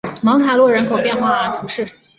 芒塔洛人口变化图示